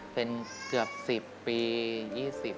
เป็นเกือบ๑๐ปี๒๐